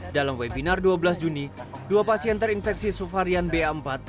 dalam webinar dua belas juni dua pasien terinfeksi subvarian ba empat